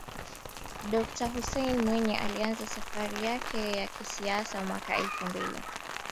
Dokta Hussein Mwinyi alianza safari yake ya kisiasa mwaka elfu mbili